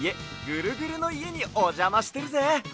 ぐるぐるのいえにおじゃましてるぜ。